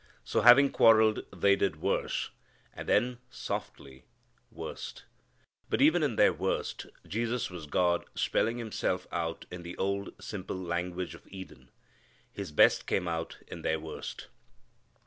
So having quarrelled, they did worse, and then softly worst. But even in their worst, Jesus was God spelling Himself out in the old simple language of Eden. His best came out in their worst.